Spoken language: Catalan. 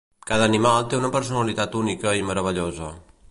Cada animal té una personalitat única i meravellosa.